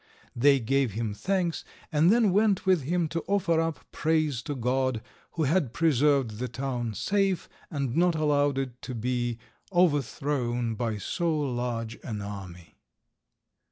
They gave him thanks, and then went with him to offer up praise to God, who had preserved the town safe, and not allowed it to be overthrown by so large an army.